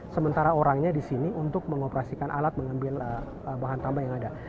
sementara orangnya di sini untuk mengoperasikan alat mengambil bahan tambah yang ada